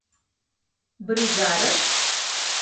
— Бригадыш?